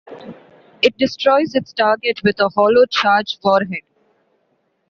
It destroys its target with a hollow-charge warhead.